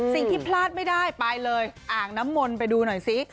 สิ่งที่พลาดไม่ได้ไปเลยอ่างน้ำมนต์ไปดูหน่อยซิ